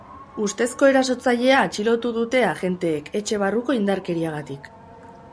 Ustezko erasotzailea atxilotu dute agenteek etxe barruko indarkeriagatik.